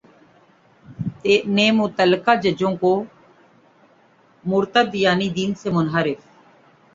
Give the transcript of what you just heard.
نے متعلقہ ججوں کو مرتد یعنی دین سے منحرف